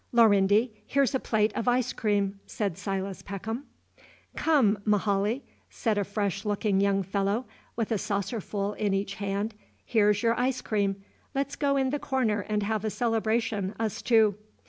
"Lorindy, here's a plate of ice cream," said Silas Peckham. "Come, Mahaly," said a fresh looking young fellow with a saucerful in each hand, "here's your ice cream; let's go in the corner and have a celebration, us two."